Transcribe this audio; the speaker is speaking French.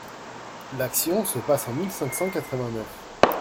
L’action se passe en mille cinq cent quatre-vingt-neuf.